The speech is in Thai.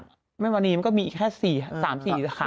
เมื่อวันนี้มันก็มีแค่๓๔สาขาย